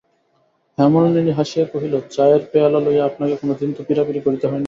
হেমনলিনী হাসিয়া কহিল, চায়ের পেয়ালা লইয়া আপনাকে কোনোদিন তো পীড়াপীড়ি করিতে হয় নাই।